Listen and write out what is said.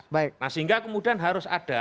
nah sehingga kemudian harus ada